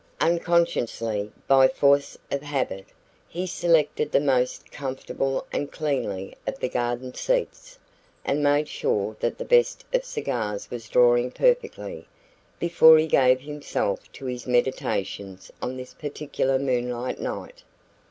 Unconsciously, by force of habit, he selected the most comfortable and cleanly of the garden seats, and made sure that the best of cigars was drawing perfectly, before he gave himself to his meditations on this particular moonlight night.